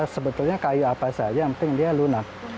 sebetulnya kayu apa saja yang penting dia lunak